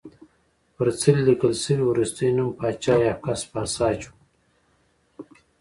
پر څلي لیکل شوی وروستی نوم پاچا یاکس پاساج و